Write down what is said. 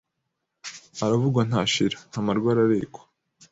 Aravugwa ntashira, ntamarwa ararekwa